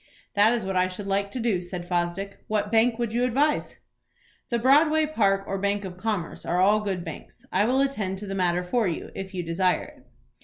"That is what I should like to do," said Fosdick. "What bank would you advise?" "The Broadway, Park, or Bank of Commerce, are all good banks. I will attend to the matter for you, if you desire it."